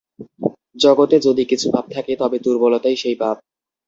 জগতে যদি কিছু পাপ থাকে, তবে দুর্বলতাই সেই পাপ।